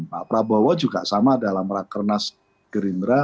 pak prabowo juga sama dalam rakernas gerindra